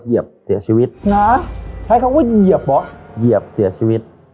เหยียบเสียชีวิตนะใช้คำว่าเหยียบเบาะเหยียบเสียชีวิต